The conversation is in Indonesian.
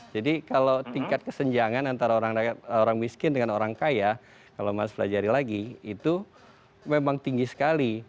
jadi kalau tingkat kesenjangan antara orang miskin dengan orang kaya kalau mas belajari lagi itu memang tinggi sekali